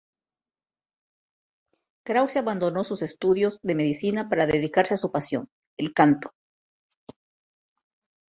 Krause abandonó sus estudios de medicina para dedicarse a su pasión: el canto.